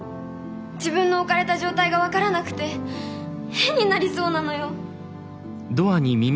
自分の置かれた状態が分からなくて変になりそうなのよ。